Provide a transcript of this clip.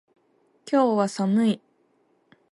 今日は寒い